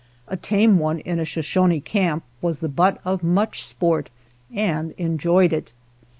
A tame one in a Shoshone camp was the butt of much sport and enjoyed it.